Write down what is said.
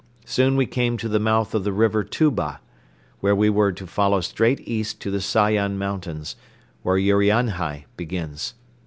Soon we came to the mouth of the river Tuba, which we were to follow straight east to the Sayan mountains, where Urianhai begins.